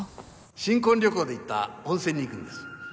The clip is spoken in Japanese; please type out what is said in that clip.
新婚旅行で行った温泉に行くんです